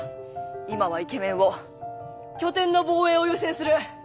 今はイケメンを拠点の防衛を優先する。